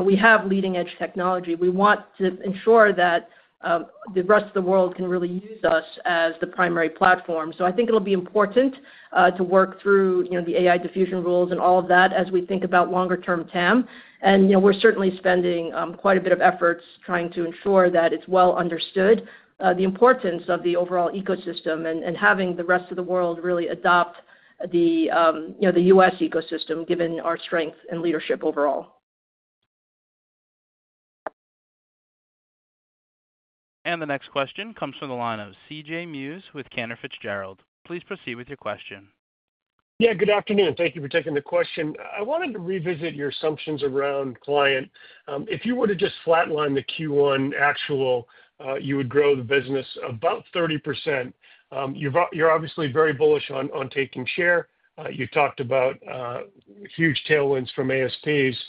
C: we have leading-edge technology. We want to ensure that the rest of the world can really use us as the primary platform. I think it'll be important to work through the AI Diffusion Rules and all of that as we think about longer-term TAM. We're certainly spending quite a bit of efforts trying to ensure that it's well understood the importance of the overall ecosystem and having the rest of the world really adopt the U.S. ecosystem given our strength and leadership overall.
A: The next question comes from the line of CJ Muse with Cantor Fitzgerald. Please proceed with your question.
K: Yeah, good afternoon. Thank you for taking the question. I wanted to revisit your assumptions around client. If you were to just flatline the Q1 actual, you would grow the business about 30%. You're obviously very bullish on taking share. You talked about huge tailwinds from ASPs.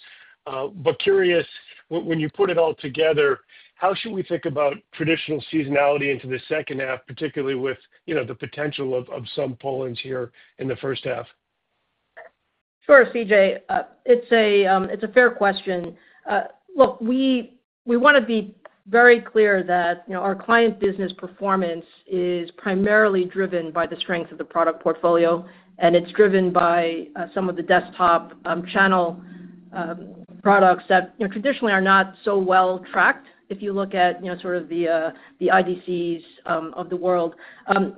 K: Curious, when you put it all together, how should we think about traditional seasonality into the second half, particularly with the potential of some pull-ins here in the first half?
C: Sure, CJ. It's a fair question. Look, we want to be very clear that our client business performance is primarily driven by the strength of the product portfolio. It's driven by some of the desktop channel products that traditionally are not so well tracked if you look at sort of the IDCs of the world.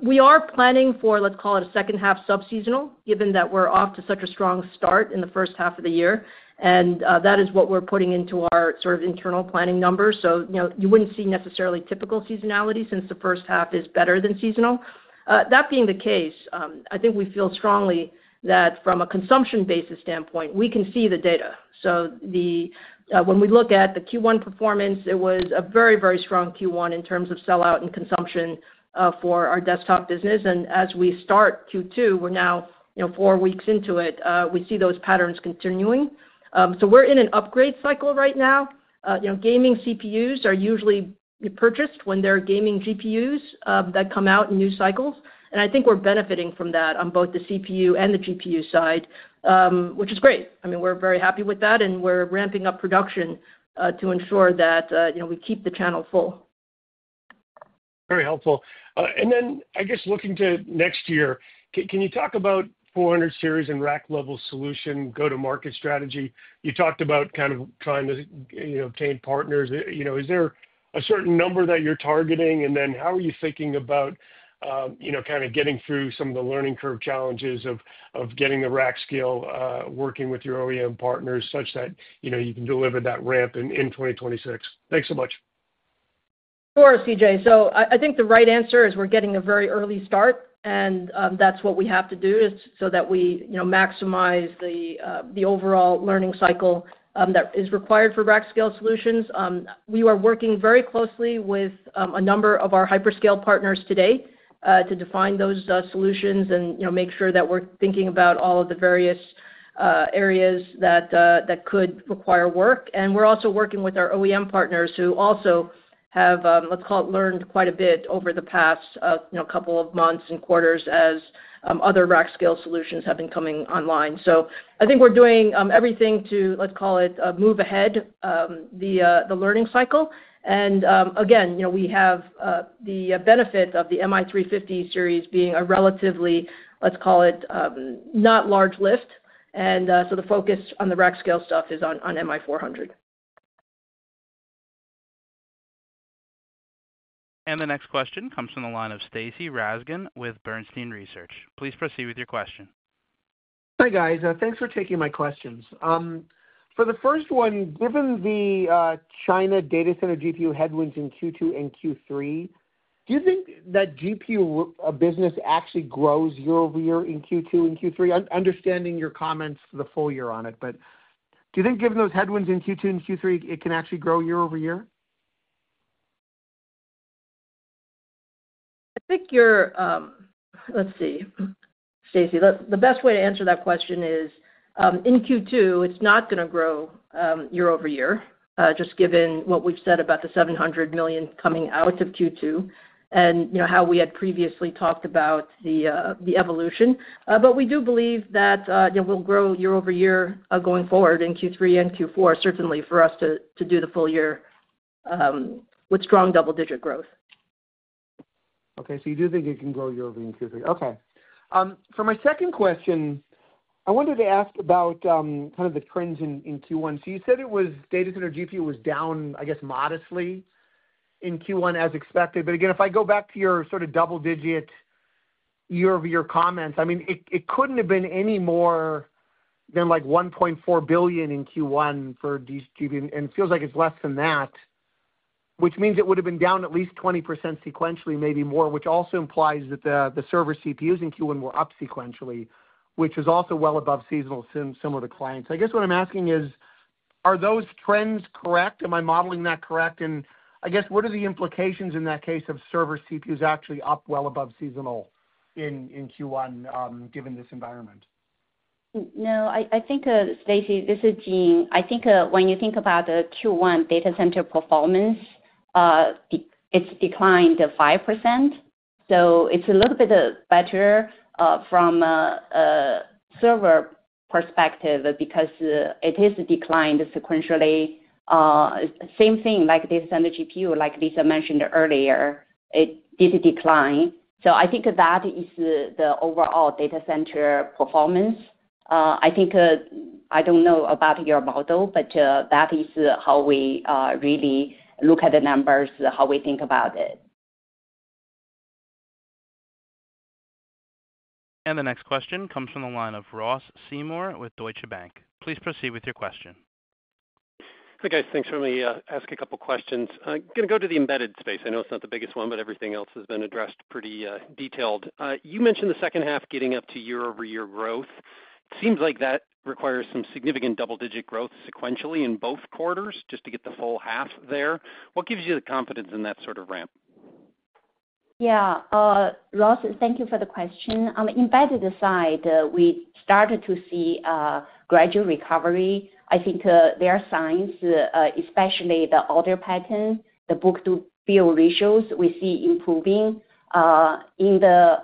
C: We are planning for, let's call it, a second half subseasonal, given that we're off to such a strong start in the first half of the year. That is what we're putting into our sort of internal planning numbers. You wouldn't see necessarily typical seasonality since the first half is better than seasonal. That being the case, I think we feel strongly that from a consumption basis standpoint, we can see the data. When we look at the Q1 performance, it was a very, very strong Q1 in terms of sellout and consumption for our desktop business. As we start Q2, we're now four weeks into it, we see those patterns continuing. We're in an upgrade cycle right now. Gaming CPUs are usually purchased when there are gaming GPUs that come out in new cycles. I think we're benefiting from that on both the CPU and the GPU side, which is great. I mean, we're very happy with that. We're ramping up production to ensure that we keep the channel full.
K: Very helpful. I guess looking to next year, can you talk about 400 series and rack level solution go-to-market strategy? You talked about kind of trying to obtain partners. Is there a certain number that you're targeting? How are you thinking about kind of getting through some of the learning curve challenges of getting the rack scale, working with your OEM partners such that you can deliver that ramp in 2026? Thanks so much.
C: Sure, CJ. I think the right answer is we're getting a very early start. That is what we have to do so that we maximize the overall learning cycle that is required for rack scale solutions. We are working very closely with a number of our hyperscale partners today to define those solutions and make sure that we're thinking about all of the various areas that could require work. We're also working with our OEM partners who also have, let's call it, learned quite a bit over the past couple of months and quarters as other rack scale solutions have been coming online. I think we're doing everything to, let's call it, move ahead the learning cycle. Again, we have the benefit of the MI350 series being a relatively, let's call it, not large lift. The focus on the rack scale stuff is on MI400.
A: The next question comes from the line of Stacy Rasgon with Bernstein Research. Please proceed with your question.
L: Hi guys. Thanks for taking my questions. For the first one, given the China data center GPU headwinds in Q2 and Q3, do you think that GPU business actually grows year-over-year in Q2 and Q3? Understanding your comments the full year on it, but do you think given those headwinds in Q2 and Q3, it can actually grow year-over-year?
C: I think you're—let's see, Stacy. The best way to answer that question is in Q2, it's not going to grow year-over-year, just given what we've said about the $700 million coming out of Q2 and how we had previously talked about the evolution. But we do believe that we'll grow year-over-year going forward in Q3 and Q4, certainly for us to do the full year with strong double-digit growth.
L: Okay. So you do think it can grow year-over-year in Q3. Okay. For my second question, I wanted to ask about kind of the trends in Q1. You said data center GPU was down, I guess, modestly in Q1 as expected. If I go back to your sort of double-digit year-over-year comments, I mean, it couldn't have been any more than like $1.4 billion in Q1 for GPU. And it feels like it's less than that, which means it would have been down at least 20% sequentially, maybe more, which also implies that the server CPUs in Q1 were up sequentially, which is also well above seasonal similar to clients. I guess what I'm asking is, are those trends correct? Am I modeling that correct? And I guess, what are the implications in that case of server CPUs actually up well above seasonal in Q1 given this environment?
D: I think, Stacy, this is Jean. I think when you think about the Q1 data center performance, it's declined 5%. So it's a little bit better from a server perspective because it is declined sequentially. Same thing like data center GPU, like Lisa mentioned earlier, it did decline. I think that is the overall data center performance. I think I don't know about your model, but that is how we really look at the numbers, how we think about it.
A: The next question comes from the line of Ross Seymore with Deutsche Bank. Please proceed with your question.
M: Hi guys. Thanks for letting me ask a couple of questions. I'm going to go to the embedded space. I know it's not the biggest one, but everything else has been addressed pretty detailed. You mentioned the second half getting up to year-over-year growth. It seems like that requires some significant double-digit growth sequentially in both quarters just to get the full half there. What gives you the confidence in that sort of ramp?
D: Yeah. Ross, thank you for the question. On the embedded side, we started to see a gradual recovery. I think there are signs, especially the order pattern, the book-to-bill ratios we see improving. In the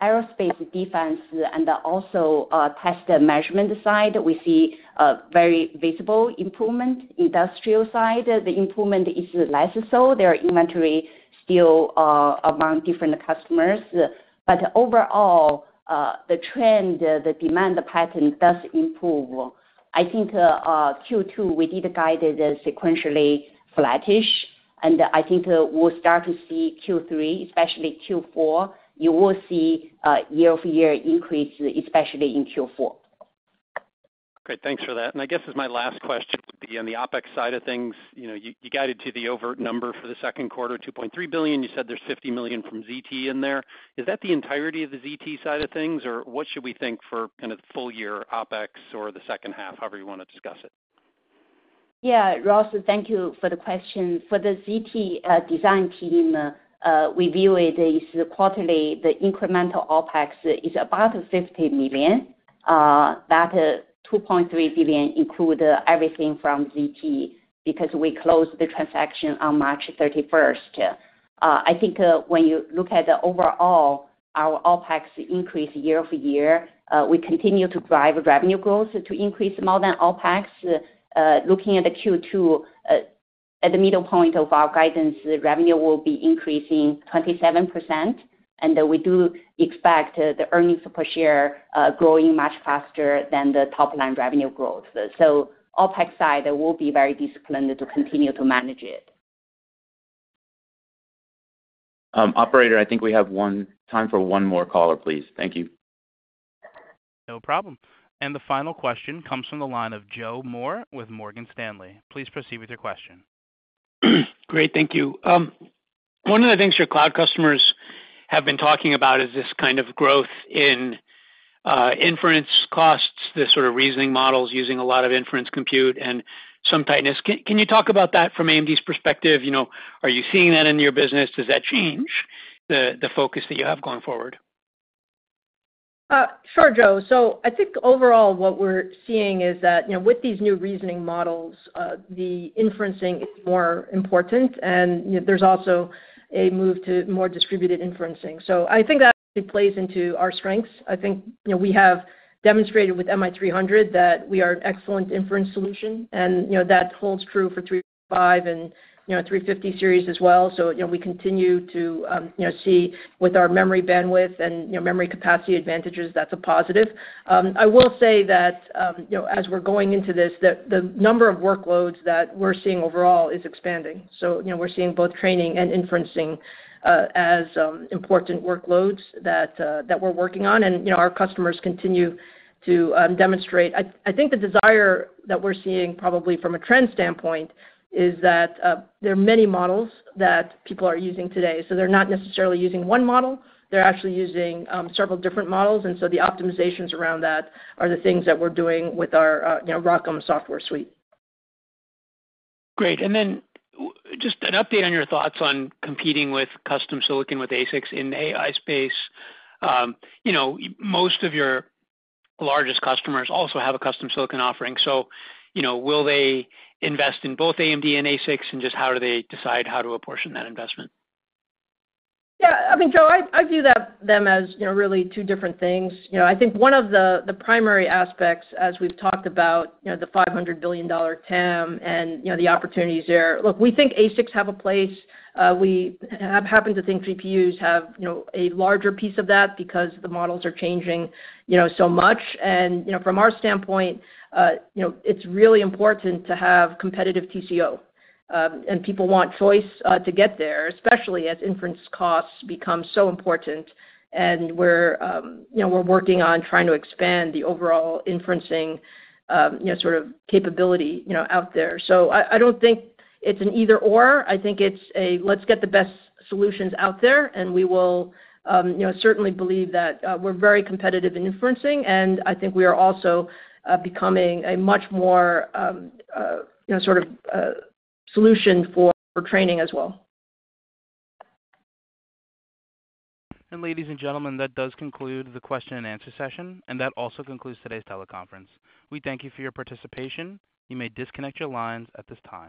D: aerospace defense and also test measurement side, we see a very visible improvement. Industrial side, the improvement is less so. There are inventory still among different customers. Overall, the trend, the demand pattern does improve. I think Q2, we did guide it sequentially flattish. I think we'll start to see Q3, especially Q4, you will see year-over-year increase, especially in Q4.
M: Great. Thanks for that. I guess my last question would be on the OpEx side of things. You guided to the OpEx number for the second quarter, $2.3 billion. You said there's $50 million from ZT in there. Is that the entirety of the ZT side of things, or what should we think for kind of full year OpEx or the second half, however you want to discuss it?
D: Yeah, Ross, thank you for the question. For the ZT design team, we view it as quarterly. The incremental OpEx is about $50 million. That $2.3 billion includes everything from ZT because we closed the transaction on March 31st. I think when you look at the overall, our OpEx increase year-over-year, we continue to drive revenue growth to increase more than OpEx. Looking at the Q2, at the middle point of our guidance, revenue will be increasing 27%. We do expect the earnings per share growing much faster than the top-line revenue growth. OpEx side will be very disciplined to continue to manage it.
B: Operator, I think we have time for one more caller, please. Thank you.
A: No problem. The final question comes from the line of Joe Moore with Morgan Stanley. Please proceed with your question.
N: Great. Thank you. One of the things your cloud customers have been talking about is this kind of growth in inference costs, the sort of reasoning models using a lot of inference compute and some tightness. Can you talk about that from AMD's perspective? Are you seeing that in your business? Does that change the focus that you have going forward?
C: Sure, Joe. I think overall, what we're seeing is that with these new reasoning models, the inferencing is more important. There's also a move to more distributed inferencing. I think that actually plays into our strengths. I think we have demonstrated with MI300 that we are an excellent inference solution. That holds true for 355 and 350 series as well. We continue to see with our memory bandwidth and memory capacity advantages, that's a positive. I will say that as we're going into this, the number of workloads that we're seeing overall is expanding. We're seeing both training and inferencing as important workloads that we're working on. Our customers continue to demonstrate. I think the desire that we're seeing probably from a trend standpoint is that there are many models that people are using today. They're not necessarily using one model. They're actually using several different models. The optimizations around that are the things that we're doing with our ROCm software suite.
O: Great. Just an update on your thoughts on competing with custom silicon with ASICs in the AI space. Most of your largest customers also have a custom silicon offering. Will they invest in both AMD and ASICs? Just how do they decide how to apportion that investment?
C: Yeah. I mean, Joe, I view them as really two different things. I think one of the primary aspects, as we've talked about, the $500 billion TAM and the opportunities there. Look, we think ASICs have a place. We happen to think GPUs have a larger piece of that because the models are changing so much. From our standpoint, it's really important to have competitive TCO. People want choice to get there, especially as inference costs become so important. We're working on trying to expand the overall inferencing sort of capability out there. I don't think it's an either/or. I think it's a, let's get the best solutions out there. We will certainly believe that we're very competitive in inferencing.
A: I think we are also becoming a much more sort of solution for training as well. Ladies and gentlemen, that does conclude the question and answer session. That also concludes today's teleconference. We thank you for your participation. You may disconnect your lines at this time.